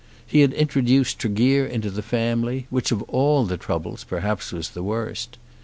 He had introduced Tregear into the family, which of all the troubles perhaps was the worst.